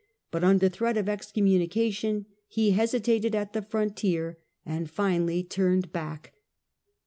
But under threat of excommunication he hesitated at the frontier and finally turned back.